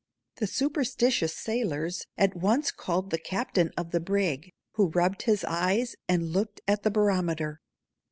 The superstitious sailors at once called the captain of the brig, who rubbed his eyes and looked at the barometer.